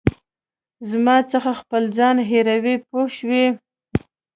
زما څخه خپل ځان هېروې پوه شوې!.